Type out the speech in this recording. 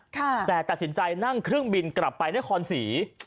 แต่ตัดสินใจนั่งเครื่องบินกลับไปนครศรี